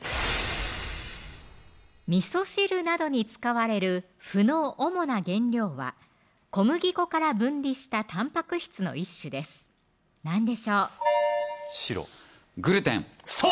みそ汁などに使われる麩の主な原料は小麦粉から分離したたんぱく質の一種です何でしょう白グルテンそう